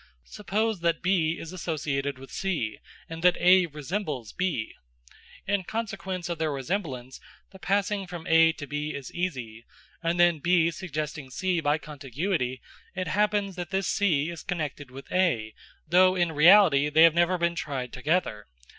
Suppose that B is associated with C, and that A resembles B. In consequence of their resemblance the passing from A to B is easy; and then B suggesting C by contiguity, it happens that this C is connected with A connected, though, in reality, they have never been tried together.